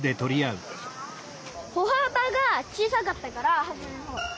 歩はばが小さかったからはじめのほう。